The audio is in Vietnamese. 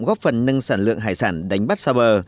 góp phần nâng sản lượng hải sản đánh bắt xa bờ